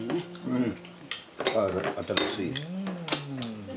うん。